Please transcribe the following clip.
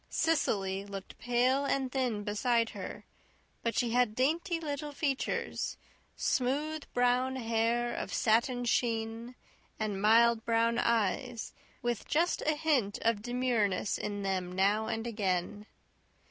Cecily looked pale and thin beside her; but she had dainty little features, smooth brown hair of satin sheen, and mild brown eyes, with just a hint of demureness in them now and again.